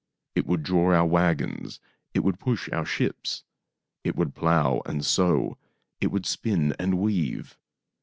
It would draw our wagons, it would push our ships, it would plow and sow, it would spin and .weave.